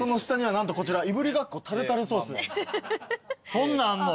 そんなんあんの？